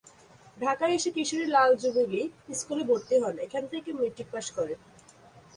ঢাকায় এসে কিশোরী লাল জুবিলী স্কুলে ভর্তি হন ও এখান থেকে মেট্রিক পাশ করেন।